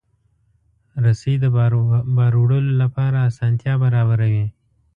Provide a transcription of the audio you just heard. رسۍ د بار وړلو لپاره اسانتیا برابروي.